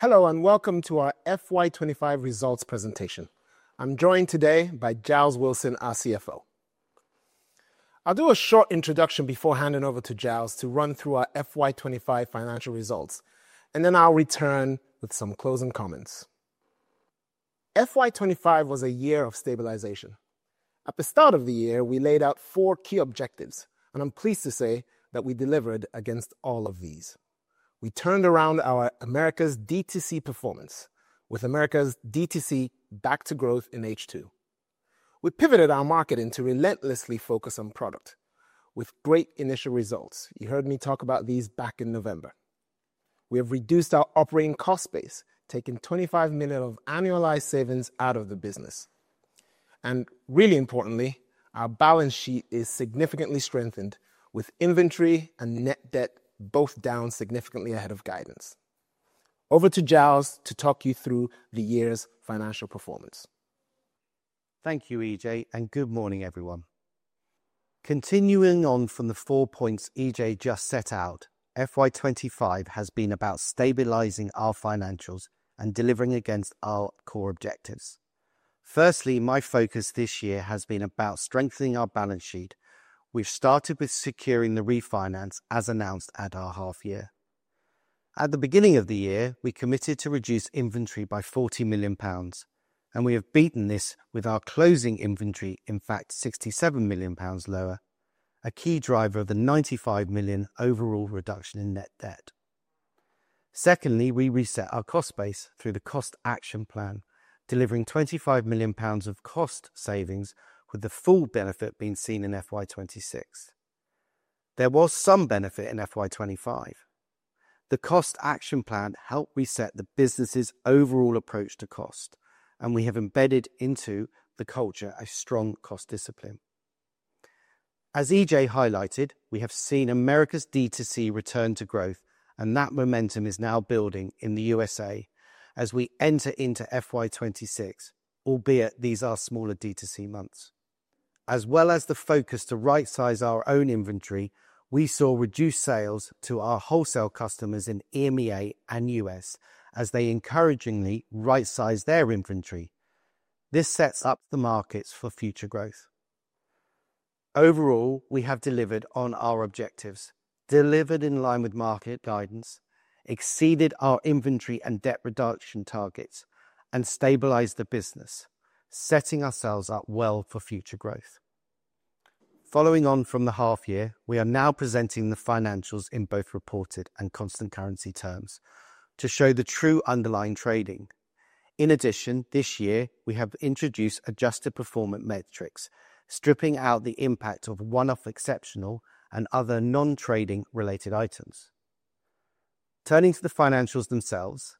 Hello and welcome to our FY25 Results Presentation. I'm joined today by Giles Wilson, our CFO. I'll do a short introduction before handing over to Giles to run through our FY25 financial results, and then I'll return with some closing comments. FY25 was a year of stabilization. At the start of the year, we laid out four key objectives, and I'm pleased to say that we delivered against all of these. We turned around our Americas DTC performance with Americas DTC back to growth in H2. We pivoted our marketing to relentlessly focus on product with great initial results. You heard me talk about these back in November. We have reduced our operating cost base, taking 25 million of annualized savings out of the business. Really importantly, our balance sheet is significantly strengthened with inventory and net debt both down significantly ahead of guidance. Over to Giles to talk you through the year's financial performance. Thank you, Ije, and good morning, everyone. Continuing on from the four points Ije just set out, FY25 has been about stabilizing our financials and delivering against our core objectives. Firstly, my focus this year has been about strengthening our balance sheet. We have started with securing the refinance as announced at our half year. At the beginning of the year, we committed to reduce inventory by 40 million pounds, and we have beaten this with our closing inventory, in fact, 67 million pounds lower, a key driver of the 95 million overall reduction in net debt. Secondly, we reset our cost base through the cost action plan, delivering 25 million pounds of cost savings, with the full benefit being seen in FY26. There was some benefit in FY25. The cost action plan helped reset the business's overall approach to cost, and we have embedded into the culture a strong cost discipline. As Ije highlighted, we have seen Americas DTC return to growth, and that momentum is now building in the U.S.A. as we enter into FY26, albeit these are smaller DTC months. As well as the focus to right-size our own inventory, we saw reduced sales to our wholesale customers in EMEA and U.S. as they encouragingly right-sized their inventory. This sets up the markets for future growth. Overall, we have delivered on our objectives, delivered in line with market guidance, exceeded our inventory and debt reduction targets, and stabilized the business, setting ourselves up well for future growth. Following on from the half year, we are now presenting the financials in both reported and constant currency terms to show the true underlying trading. In addition, this year, we have introduced adjusted performance metrics, stripping out the impact of one-off exceptional and other non-trading related items. Turning to the financials themselves,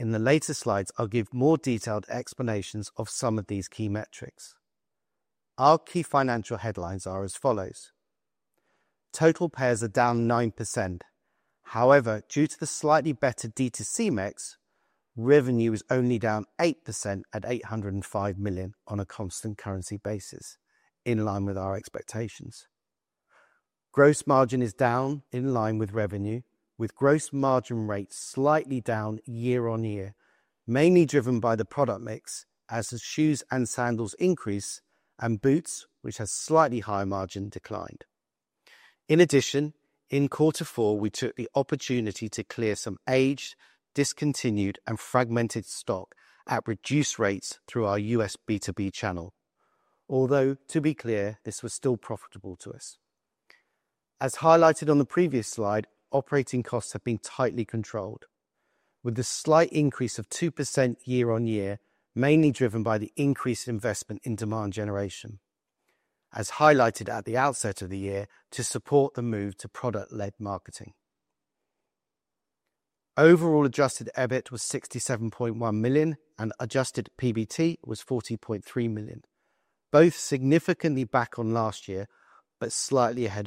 in the later slides, I'll give more detailed explanations of some of these key metrics. Our key financial headlines are as follows. Total pairs are down 9%. However, due to the slightly better DTC mix, revenue is only down 8% at 805 million on a constant currency basis, in line with our expectations. Gross margin is down in line with revenue, with gross margin rates slightly down YoY, mainly driven by the product mix, as the shoes and sandals increase, and boots, which has slightly higher margin, declined. In addition, in Q4, we took the opportunity to clear some aged, discontinued, and fragmented stock at reduced rates through our U.S. B2B channel, although, to be clear, this was still profitable to us. As highlighted on the previous slide, operating costs have been tightly controlled, with a slight increase of 2% YoY, mainly driven by the increased investment in demand generation, as highlighted at the outset of the year to support the move to product-led marketing. Overall adjusted EBIT was 67.1 million, and adjusted PBT was 40.3 million, both significantly back on last year, but slightly ahead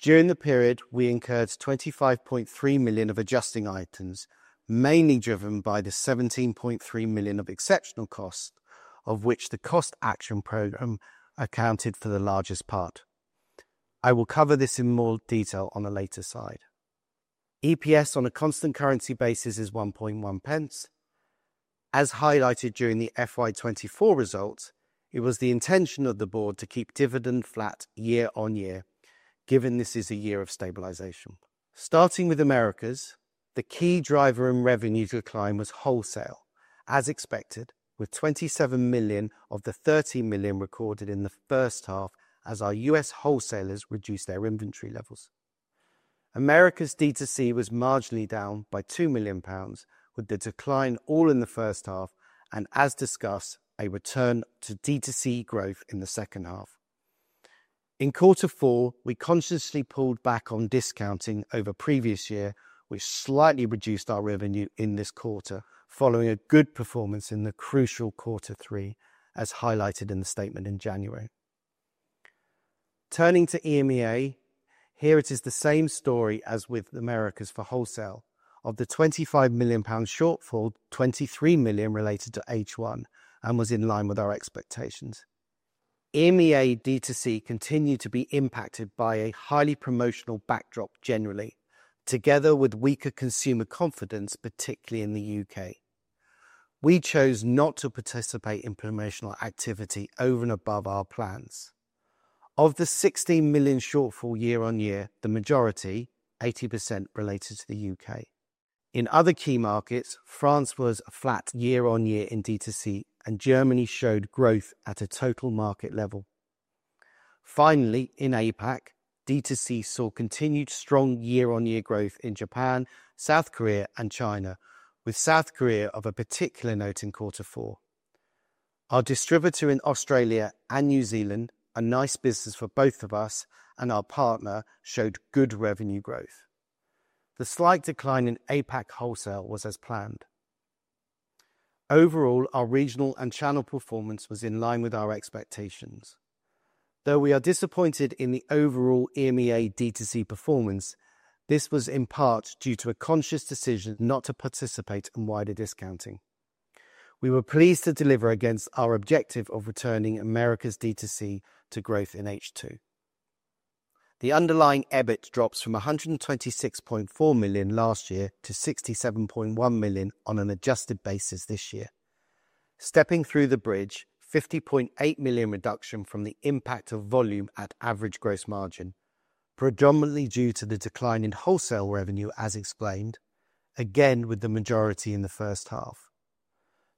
of consensus. During the period, we incurred 25.3 million of adjusting items, mainly driven by the 17.3 million of exceptional cost, of which the cost action program accounted for the largest part. I will cover this in more detail on a later slide. EPS on a constant currency basis is 1.10. As highlighted during the FY24 results, it was the intention of the board to keep dividend flat YoY, given this is a year of stabilization. Starting with Americas, the key driver in revenue decline was wholesale, as expected, with 27 million of the 30 million recorded in the first half as our U.S. wholesalers reduced their inventory levels. Americas DTC was marginally down by 2 million pounds, with the decline all in the first half, and as discussed, a return to DTC growth in the second half. In Q4, we consciously pulled back on discounting over previous year, which slightly reduced our revenue in this quarter, following a good performance in the crucial Q3, as highlighted in the statement in January. Turning to EMEA, here it is the same story as with Americas for wholesale, of the 25 million pound shortfall, 23 million related to H1, and was in line with our expectations. EMEA DTC continued to be impacted by a highly promotional backdrop generally, together with weaker consumer confidence, particularly in the U.K. We chose not to participate in promotional activity over and above our plans. Of the 16 million shortfall YoY, the majority, 80%, related to the U.K. In other key markets, France was flat YoY in DTC, and Germany showed growth at a total market level. Finally, in APAC, DTC saw continued strong YoY growth in Japan, South Korea, and China, with South Korea of particular note in Q4. Our distributor in Australia and New Zealand, a nice business for both of us and our partner, showed good revenue growth. The slight decline in APAC wholesale was as planned. Overall, our regional and channel performance was in line with our expectations. Though we are disappointed in the overall EMEA DTC performance, this was in part due to a conscious decision not to participate in wider discounting. We were pleased to deliver against our objective of returning Americas DTC to growth in H2. The underlying EBIT drops from 126.4 million last year to 67.1 million on an adjusted basis this year. Stepping through the bridge, 50.8 million reduction from the impact of volume at average gross margin, predominantly due to the decline in wholesale revenue, as explained, again with the majority in the first half.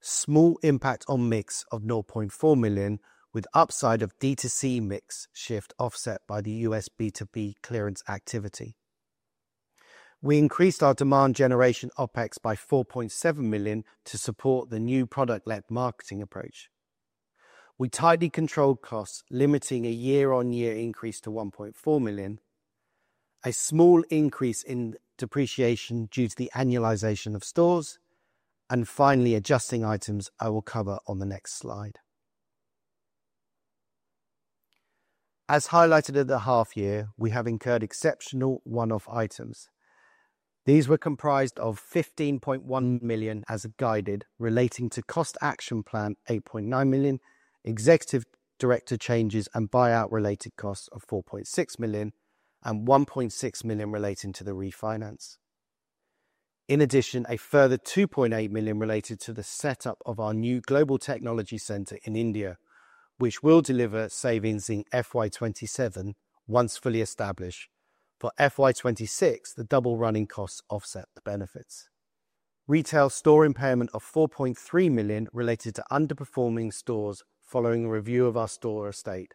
Small impact on mix of 0.4 million, with upside of DTC mix shift offset by the U.S. B2B clearance activity. We increased our demand generation OPEX by 4.7 million to support the new product-led marketing approach. We tightly controlled costs, limiting a YoY increase to 1.4 million, a small increase in depreciation due to the annualization of stores, and finally, adjusting items, I will cover on the next slide. As highlighted at the half year, we have incurred exceptional one-off items. These were comprised of 15.1 million as guided, relating to cost action plan, 8.9 million, executive director changes and buyout-related costs of 4.6 million, and 1.6 million relating to the refinance. In addition, a further 2.8 million related to the setup of our new global technology center in India, which will deliver savings in FY27 once fully established. For FY26, the double running costs offset the benefits. Retail store impairment of 4.3 million related to underperforming stores following a review of our store estate.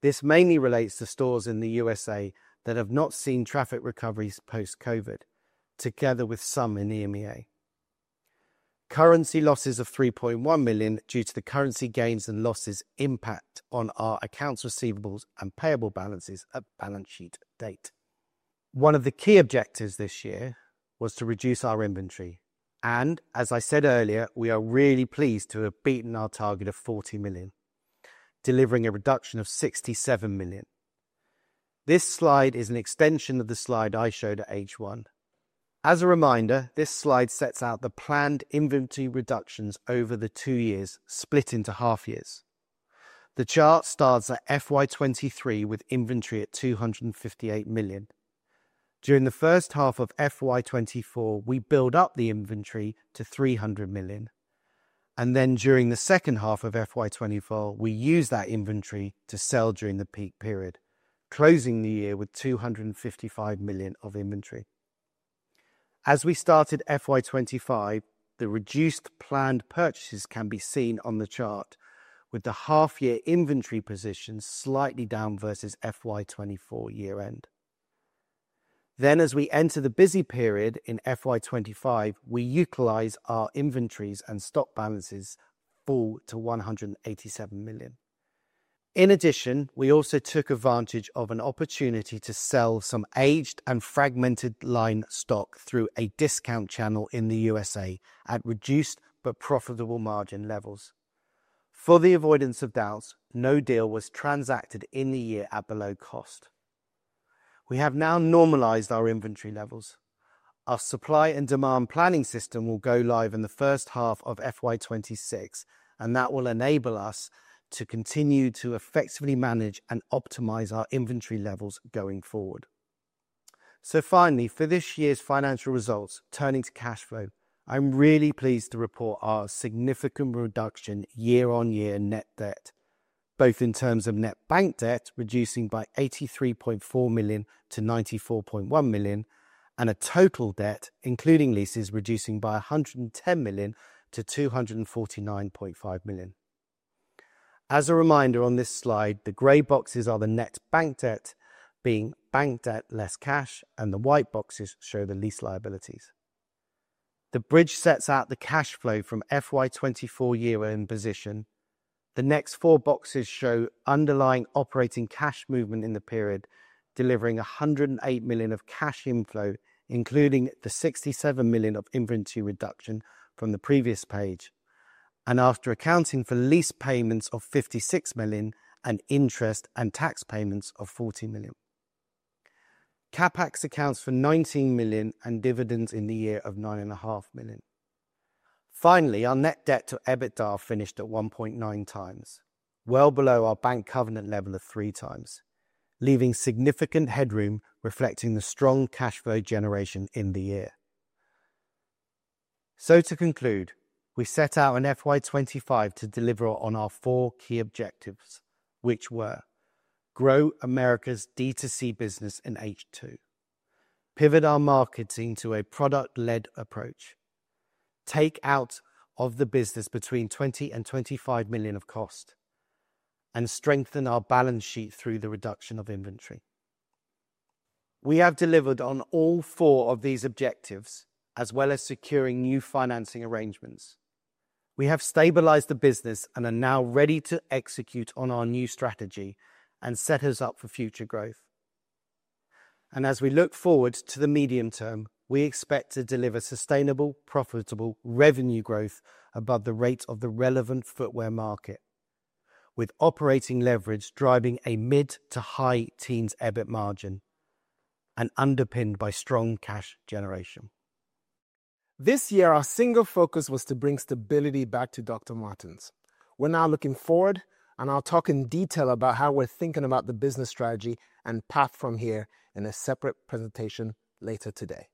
This mainly relates to stores in the U.S.A. that have not seen traffic recoveries post-COVID, together with some in EMEA. Currency losses of 3.1 million due to the currency gains and losses impact on our accounts receivables and payable balances at balance sheet date. One of the key objectives this year was to reduce our inventory. As I said earlier, we are really pleased to have beaten our target of 40 million, delivering a reduction of 67 million. This slide is an extension of the slide I showed at H1. As a reminder, this slide sets out the planned inventory reductions over the two years, split into half years. The chart starts at FY 2023 with inventory at 258 million. During the first half of FY 2024, we build up the inventory to 300 million. During the second half of FY 2024, we use that inventory to sell during the peak period, closing the year with 255 million of inventory. As we started FY 2025, the reduced planned purchases can be seen on the chart, with the half-year inventory positions slightly down versus FY 2024 year-end. As we enter the busy period in FY 2025, we utilize our inventories and stock balances fall to 187 million. In addition, we also took advantage of an opportunity to sell some aged and fragmented line stock through a discount channel in the U.S.A. at reduced but profitable margin levels. For the avoidance of doubt, no deal was transacted in the year at below cost. We have now normalized our inventory levels. Our supply and demand planning system will go live in the first half of FY26, and that will enable us to continue to effectively manage and optimize our inventory levels going forward. Finally, for this year's financial results, turning to cash flow, I'm really pleased to report our significant reduction YoY net debt, both in terms of net bank debt reducing by 83.4 million to 94.1 million, and total debt, including leases, reducing by 110 million to 249.5 million. As a reminder on this slide, the gray boxes are the net bank debt being bank debt less cash, and the white boxes show the lease liabilities. The bridge sets out the cash flow from FY24 year-end position. The next four boxes show underlying operating cash movement in the period, delivering 108 million of cash inflow, including the 67 million of inventory reduction from the previous page, and after accounting for lease payments of 56 million and interest and tax payments of 40 million. CapEx accounts for 19 million and dividends in the year of 9.5 million. Finally, our net debt to EBITDA finished at 1.9 times, well below our bank covenant level of three times, leaving significant headroom reflecting the strong cash flow generation in the year. To conclude, we set out in FY25 to deliver on our four key objectives, which were grow America's DTC business in H2, pivot our marketing to a product-led approach, take out of the business between 20 million and 25 million of cost, and strengthen our balance sheet through the reduction of inventory. We have delivered on all four of these objectives, as well as securing new financing arrangements. We have stabilized the business and are now ready to execute on our new strategy and set us up for future growth. As we look forward to the medium term, we expect to deliver sustainable, profitable revenue growth above the rate of the relevant footwear market, with operating leverage driving a mid to high teens EBIT margin and underpinned by strong cash generation. This year, our single focus was to bring stability back to Dr. Martens. We're now looking forward, and I'll talk in detail about how we're thinking about the business strategy and path from here in a separate presentation later today.